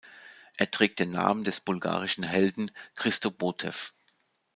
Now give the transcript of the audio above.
Er trägt den Namen des bulgarischen Helden Christo Botew.